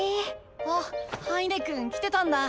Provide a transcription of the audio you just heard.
あっ羽稲くん来てたんだ。